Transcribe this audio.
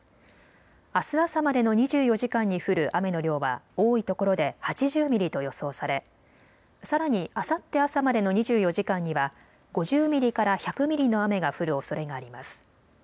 あす朝までの２４時間に降る雨の量は多いところで８０ミリと予想されさらにあさって朝までの２４時間には５０ミリから１００ミリの雨が降るおそれがあります。